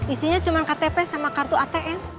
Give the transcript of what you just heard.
isinya cuma ktp sama kartu atm